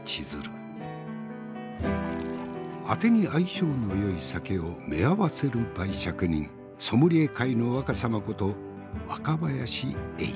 あてに相性のよい酒をめあわせる媒酌人ソムリエ界の若さまこと若林英司。